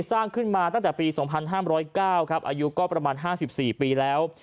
สร้างขึ้นมาตั้งแต่ปี๒๕๐๙ครับอายุก็ประมาณ๕๔ปีแล้ว